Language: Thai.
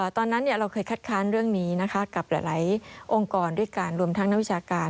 ตอนนั้นเราเคยคัดค้านเรื่องนี้นะคะกับหลายองค์กรด้วยการรวมทั้งนักวิชาการ